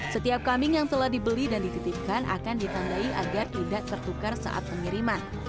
setiap kambing yang telah dibeli dan dititipkan akan ditandai agar tidak tertukar saat pengiriman